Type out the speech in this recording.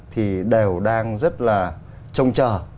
thì đều đang rất là trông chờ